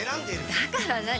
だから何？